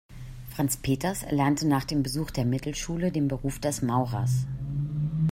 Franz Peters erlernte nach dem Besuch der Mittelschule den Beruf des Maurers.